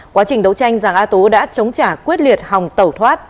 quá trình đấu tranh giàng a tú đã chống trả quyết liệt hòng tẩu thoát